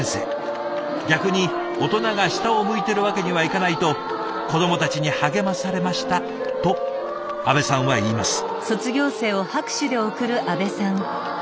逆に大人が下を向いてるわけにはいかないと子どもたちに励まされましたと安部さんは言います。